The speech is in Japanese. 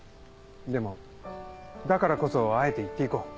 でもだからこそあえて言って行こう。